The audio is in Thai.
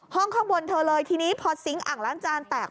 ข้างข้างบนเธอเลยทีนี้พอซิงค์อ่างล้างจานแตก